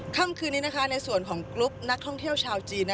ค่ำคืนนี้ในส่วนของกรุ๊ปนักท่องเที่ยวชาวจีน